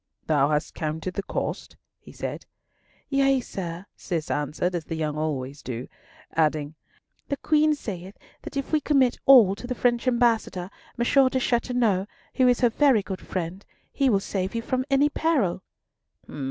"Thou hast counted the cost?" he said. "Yea, sir," Cis answered, as the young always do; adding, "the Queen saith that if we commit all to the French Ambassador, M. De Chateauneuf, who is her very good friend, he will save you from any peril."